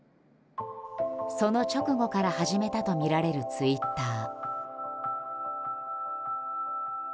その直後から始めたとみられるツイッター。